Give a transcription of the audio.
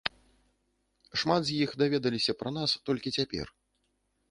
Шмат з іх даведаліся пра нас толькі цяпер.